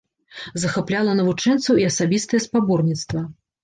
Захапляла навучэнцаў і асабістае спаборніцтва.